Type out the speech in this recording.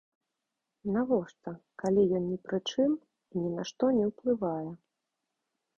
Навошта, калі ён ні пры чым і ні на што не ўплывае?